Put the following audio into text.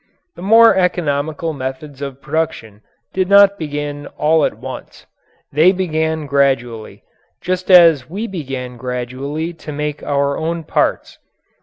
The more economical methods of production did not begin all at once. They began gradually just as we began gradually to make our own parts.